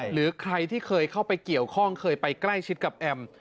หรือใครที่เคยเข้าไปเกี่ยวข้องเคยไปใกล้ชิดกับแอม